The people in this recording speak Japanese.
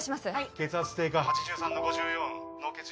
血圧低下８３の５４脳血冬木先生